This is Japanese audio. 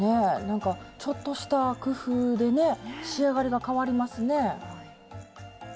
なんかちょっとした工夫でね仕上がりがかわりますね。